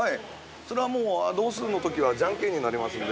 それはもう、同数のときはじゃんけんになりますので。